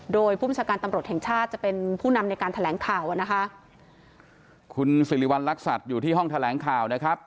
โดยผู้บัญชาการตำรวจแห่งชาติจะเป็นผู้นำในการแถลงข่าวอ่ะนะคะคุณสิริวัณรักษัตริย์อยู่ที่ห้องแถลงข่าวนะครับ